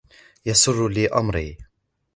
وَيَسِّرْ لِي أَمْرِي